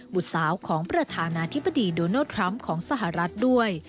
บุตรสาวของประธานาธิบดีโดนัลดทรัมป์ของสหรัฐด้วย